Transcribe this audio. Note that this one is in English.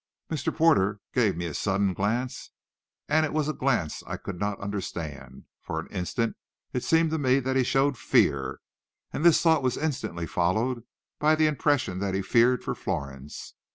Mr. Porter gave me a sudden glance, and it was a glance I could not understand. For an instant it seemed to me that he showed fear, and this thought was instantly followed by the impression that he feared for Florence.